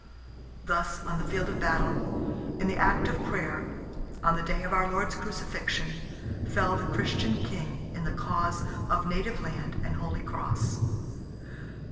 Thus, on the field of battle, in the act of prayer, on the day of our Lord's Crucifixion, fell the Christian King in the cause of native land and Holy Cross.